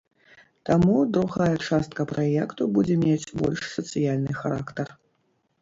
Таму другая частка праекту будзе мець больш сацыяльны характар.